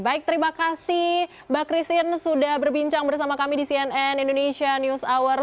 baik terima kasih mbak christine sudah berbincang bersama kami di cnn indonesia news hour